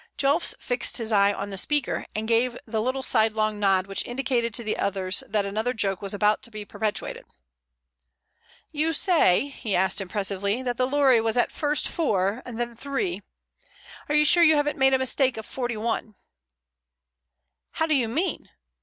Jelfs fixed his eyes on the speaker, and gave the little sidelong nod which indicated to the others that another joke was about to be perpetrated. "You say," he asked impressively, "that the lorry was at first 4 and then 3. Are you sure you haven't made a mistake of 41?" "How do you mean?"